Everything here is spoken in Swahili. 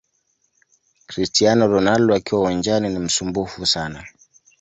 Cristiano Ronaldo akiwa uwanjani ni msumbufu sana